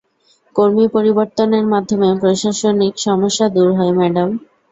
কর্মী পরিবর্তনের মাধ্যমে প্রশাসনিক সমস্যা দূর হয়, ম্যাডাম।